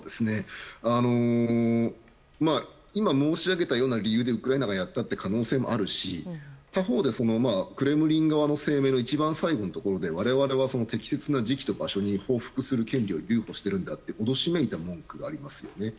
今申し上げたような理由でウクライナがやった可能性もあるし他方で、クレムリン側の声明の一番最後のところで我々は適切な時期と場所に報復する権利を留保していると脅しめいたこともありますね。